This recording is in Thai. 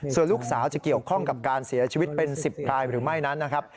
ส่วนลูกสาวจะเกี่ยวข้องกับการเสียชีวิตเป็น๑๐รายหรือไม่นั้นนะครับ